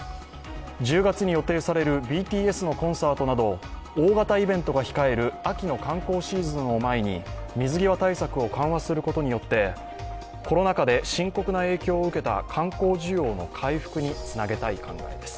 １０月に予定されるＢＴＳのコンサートなど、大型イベントが控える秋の観光シーズンを前に水際対策を緩和することによってコロナ禍で深刻な影響を受けた観光需要の回復につなげたい考えです。